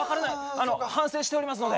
あの反省しておりますので。